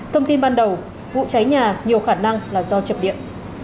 thông tin ban đầu vụ cháy nhà nhiều khả năng là do chập điện